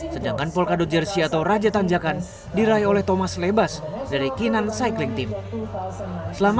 sedangkan polkadot jersey atau raja tanjakan diraih oleh thomas lebas